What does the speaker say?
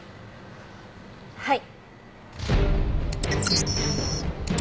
はい。